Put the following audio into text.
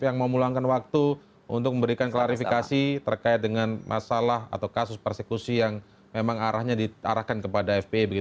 yang memulangkan waktu untuk memberikan klarifikasi terkait dengan masalah atau kasus persekusi yang memang arahnya diarahkan kepada fpi